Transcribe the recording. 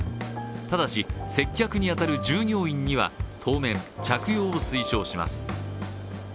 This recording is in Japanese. ただし接客に当たる従業員には当面、着用を推奨します。